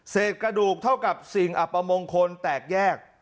กระดูกเท่ากับสิ่งอัปมงคลแตกแยก